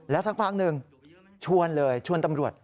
สักพักหนึ่งชวนเลยชวนตำรวจ